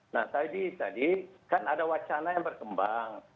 nah tadi kan ada wacana yang berkembang